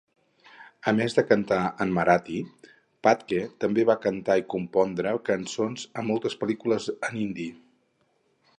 A més de cantar en marathi, Phadke també va cantar i compondre cançons a moltes pel·lícules en hindi.